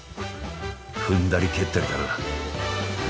踏んだり蹴ったりだな。